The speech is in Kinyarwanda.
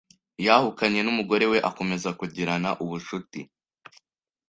yahukanye n'umugore we akomeza kugirana ubucuti